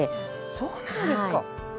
そうなんですか。